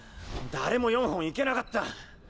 誰も４本行けなかった。